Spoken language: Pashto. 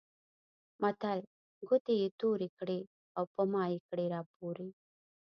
متل؛ ګوتې يې تورې کړې او په مايې کړې راپورې.